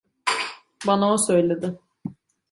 Bana o söyledi.